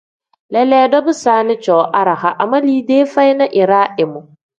Leleedo bisaani cooo araha ama liidee feyi na iraa imu.